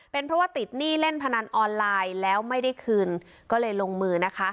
เป็นเพราะว่าติดหนี้เล่นพนันออนไลน์แล้วไม่ได้คืนก็เลยลงมือนะคะ